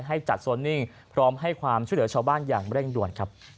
ให้จัดโซนนิ่งพร้อมให้ความช่วยเหลือชาวบ้านอย่างเร่งด่วนครับ